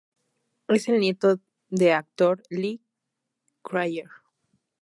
Es el nieto de actor Lee Krieger.